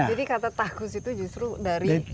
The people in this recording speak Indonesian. jadi kata takus itu justru dari